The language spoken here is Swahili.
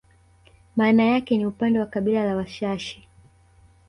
Maana yake ni upande wa kabila la Washashi